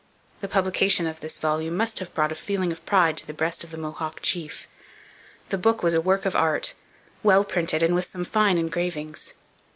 The publication of this volume must have brought a feeling of pride to the breast of the Mohawk chief. The book was a work of art, well printed and with some fine engravings.